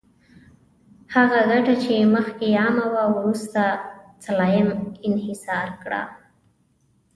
هغه ګټه چې مخکې عامه وه، وروسته سلایم انحصار کړه.